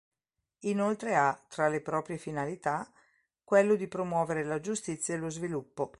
Inoltre ha, tra le proprie finalità, quello di promuovere la giustizia e lo sviluppo.